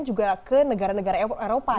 juga ke negara negara eropa